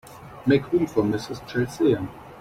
Make room for Mrs. Chelsea.